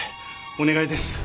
お願いです。